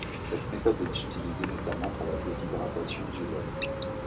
Cette méthode est utilisée notamment pour la déshydratation du lait.